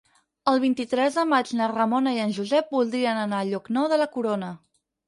El vint-i-tres de maig na Ramona i en Josep voldrien anar a Llocnou de la Corona.